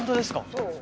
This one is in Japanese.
そう。